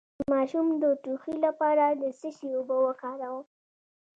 د ماشوم د ټوخي لپاره د څه شي اوبه وکاروم؟